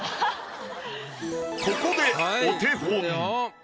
ここでお手本。